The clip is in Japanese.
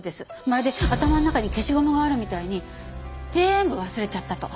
まるで頭の中に消しゴムがあるみたいに全部忘れちゃったと。